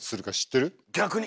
逆に！